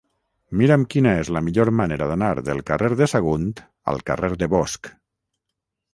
Mira'm quina és la millor manera d'anar del carrer de Sagunt al carrer de Bosch.